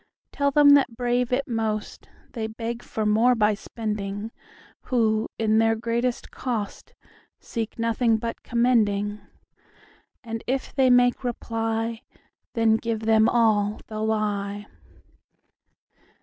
Tell them that brave it most, They beg for more by spending, Who, in their greatest cost, Seek nothing but commending:And if they make reply, Then give them all the lie.